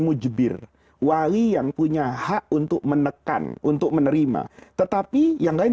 mujibir wali yang punya hak untuk menekan untuk menerima tetapi yang lain